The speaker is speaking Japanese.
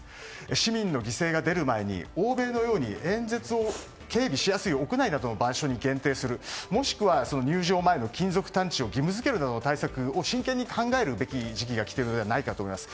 市民の犠牲が出る前に欧米のように演説を警備しやすい屋内などの場所に限定するもしくは入場前の金属探知を義務付けるなどの対策を真剣に考える時期が来ているのではないかと思います。